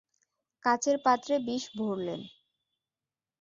কাচের পাত্রে বিষ ভরলেন।